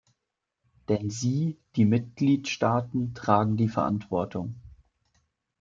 Denn sie, die Mitgliedstaaten, tragen die Verantwortung.